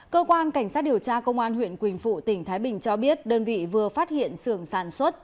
cơ quan cảnh sát điều tra công an huyện quỳnh phụ tỉnh thái bình cho biết đơn vị vừa phát hiện sưởng sản xuất